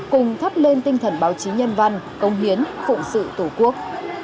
cùng thắp lên tinh thần báo chí nhân văn công hiến phụ sự tổ quốc